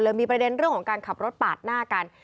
มีประเด็นเรื่องของการขับรถปาดหน้ากัน